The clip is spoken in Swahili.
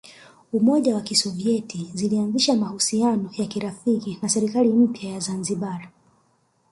Umoja wa Kisovyeti zilianzisha mahusiano ya kirafiki na serikali mpya ya Zanzibar